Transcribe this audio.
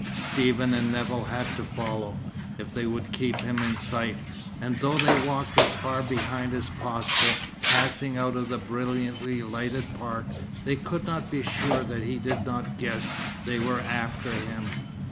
Stephen and Nevill had to follow, if they would keep him in sight; and though they walked as far behind as possible, passing out of the brilliantly lighted park, they could not be sure that he did not guess they were after him.